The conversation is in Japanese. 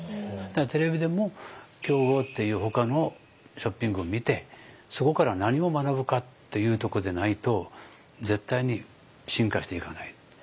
だからテレビでも競合っていうほかのショッピングを見てそこから何を学ぶかっていうとこでないと絶対に進化していかない。